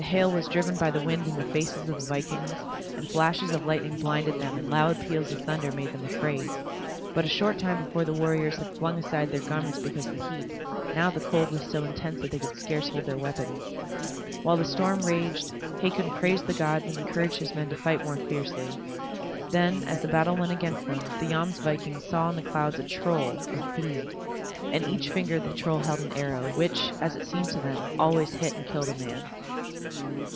The hail was driven by the wind in the faces of the vikings, and flashes of lightning blinded them and loud peals of thunder made them afraid. But a short time before the warriors had flung aside their garments because of the heat; now the cold was so intense that they could scarce hold their weapons. While the storm raged, Hakon praised the gods and encouraged his men to fight more fiercely. Then, as the battle went against them, the Jomsvikings saw in the clouds a troll, or fiend. In each finger the troll held an arrow, which, as it seemed to them, always hit and killed a man.